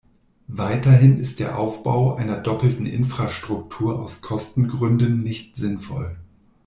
Weiterhin ist der Aufbau einer doppelten Infrastruktur aus Kostengründen nicht sinnvoll.